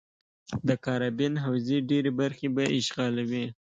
د کارابین حوزې ډېرې برخې به اشغالوي.